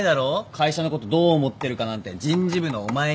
会社のことどう思ってるかなんて人事部のお前に。